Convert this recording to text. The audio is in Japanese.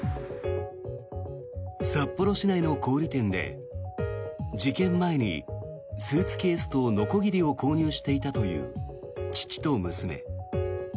札幌市内の小売店で、事件前にスーツケースとのこぎりを購入していたという父と娘。